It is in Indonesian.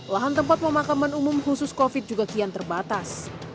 lahan tempat pemakaman umum khusus covid juga kian terbatas